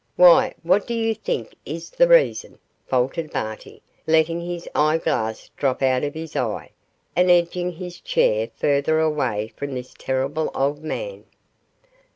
'Why! what do you think is the reason?' faltered Barty, letting his eye glass drop out of his eye, and edging his chair further away from this terrible old man.